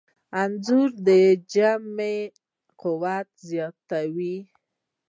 نحوه د جملې قوت زیاتوي.